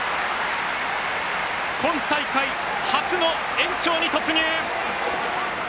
今大会初の延長に突入。